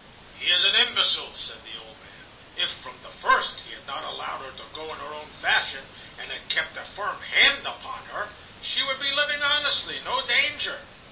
"He is an imbecile," said the old man. "If from the first he had not allowed her to go in her own fashion, and had kept a firm hand upon her, she would be living honestly, no danger.